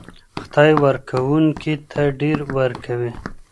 خدای ورکوونکي ته ډېر ورکوي.